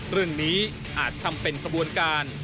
เรื่องนี้อาจทำเป็นขบวนการ